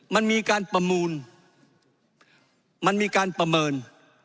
มันมีการประมูลมันมีการประเมิน